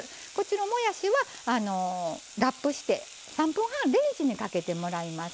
もやしはラップして３分半レンジにかけてもらいます。